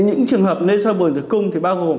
những trường hợp nên soi bùn tử cung thì bao gồm